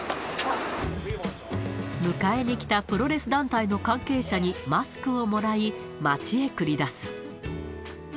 迎えに来たプロレス団体の関係者にマスクをもらい、街へ繰り出す。